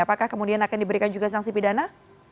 apakah kemudian akan diberikan juga sanksi pidana